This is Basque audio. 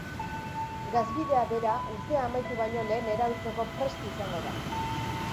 Gasbidea bera urtea amaitu baino lehen erabiltzeko prest izango da.